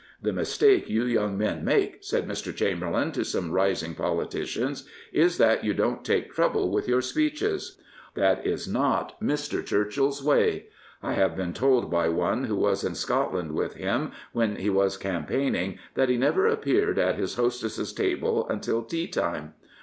" The mistake you young men make," said Mr. Chamberlain to some rising poli ticians, " is that you don't take trouble with your 228 Winston Churchill speeches/' That is not Mr. ChurchiU's way. I have been told by one who was in Scotland with him when he was campaigning that he never appeared at his hostess's table until tea time.